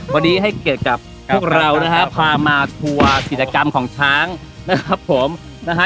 วันนี้ให้เกียรติกับพวกเรานะฮะพามาทัวร์กิจกรรมของช้างนะครับผมนะฮะ